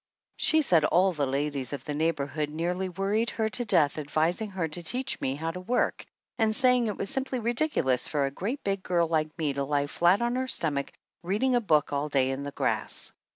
She said all the ladies of the neighborhood near ly worried her to death advising her to teach me how to work and saying it was simply ridicu lous for a great big girl like me to lie flat on her stomach reading a book all day in the grass.